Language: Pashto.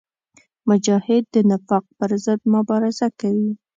مجاهد د نفاق پر ضد مبارزه کوي.